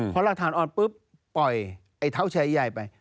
พอหลักฐานอ่อนปุ๊บปล่อยไอ้เท้าแชร์ใหญ่ไป